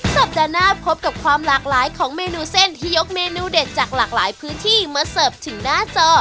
สัปดาห์หน้าพบกับความหลากหลายของเมนูเส้นที่ยกเมนูเด็ดจากหลากหลายพื้นที่มาเสิร์ฟถึงหน้าจอ